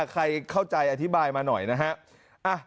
ใครเข้าใจอธิบายมาหน่อยนะฮะ